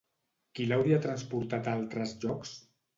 Qui l'hauria transportat a altres llocs?